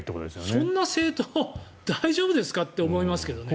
そんな政党大丈夫ですか？って思いますけどね。